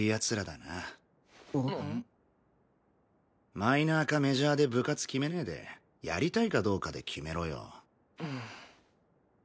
マイナーかメジャーで部活決めねえでやりたいかどうかで決めろよ。